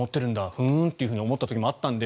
ふーんと思ったこともあったので